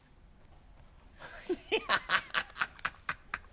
ハハハ